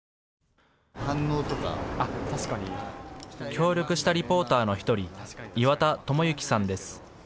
協力したリポーターの１人、岩田朋之さんです。